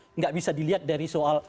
tidak bisa dilihat dari soal